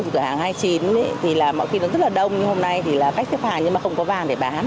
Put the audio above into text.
cửa hàng hai mươi chín thì là mọi khi nó rất là đông nhưng hôm nay thì là khách xếp hàng nhưng mà không có vàng để bán